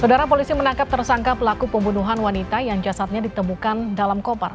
saudara polisi menangkap tersangka pelaku pembunuhan wanita yang jasadnya ditemukan dalam koper